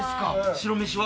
白飯は？